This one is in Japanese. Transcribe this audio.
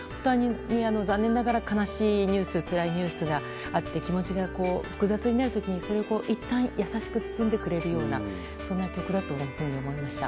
残念ながら悲しいニュースつらいニュースがあって気持ちが複雑になる時もそれをいったん優しく包んでくれるようなそんな曲だと思いました。